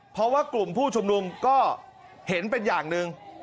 เพราะว่ากลุ่มผู้ชุมนุมก็เห็นเป็นอย่างหนึ่ง